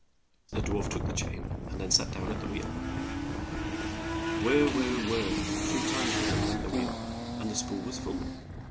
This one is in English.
The dwarf took the chain, and then sat down at the wheel. Whirr, whirr, whirr, three times round went the wheel, and the spool was full.